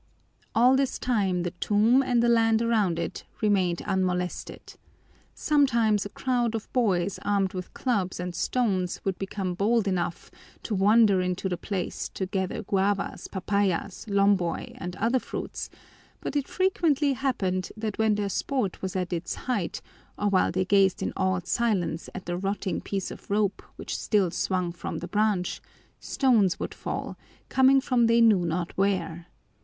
All this time the tomb and the land around it remained unmolested. Sometimes a crowd of boys armed with clubs and stones would become bold enough to wander into the place to gather guavas, papayas, lomboy, and other fruits, but it frequently happened that when their sport was at its height, or while they gazed in awed silence at the rotting piece of rope which still swung from the branch, stones would fall, coming from they knew not where.